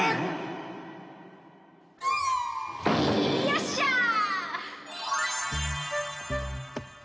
よっしゃー！